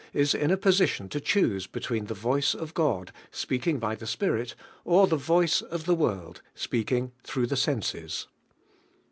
is in a position to eboose between the voice of God, speaking by the spirit, or the voice of the world speaking through the senses.